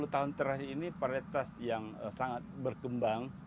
sepuluh tahun terakhir ini varietas yang sangat berkembang